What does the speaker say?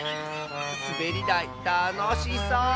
すべりだいたのしそう！